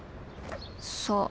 そう。